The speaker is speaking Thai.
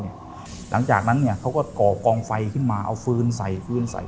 หลังจากนั้นเขาก็ก่อกองไฟขึ้นมาเอาฟื้นใส่ฟื้นใส่